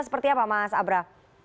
seperti apa mas abra